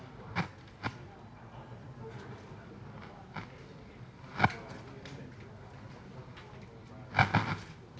ข้างข้างไม่ได้ข้างข้างไม่ได้